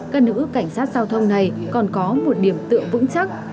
các nữ cảnh sát giao thông này còn có một điểm tựa vững chắc